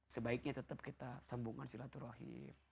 sebaiknya tetap kita sambungkan silaturahim